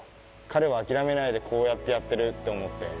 彼は諦めないでこうやってやってるって思って。